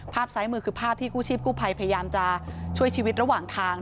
ซ้ายมือคือภาพที่กู้ชีพกู้ภัยพยายามจะช่วยชีวิตระหว่างทาง